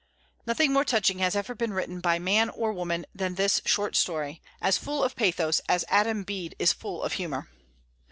Nothing more touching has ever been written by man or woman than this short story, as full of pathos as "Adam Bede" is full of humor.